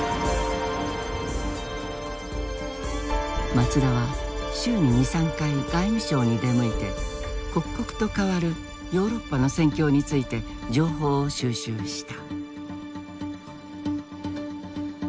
松田は週に２３回外務省に出向いて刻々と変わるヨーロッパの戦況について情報を収集した。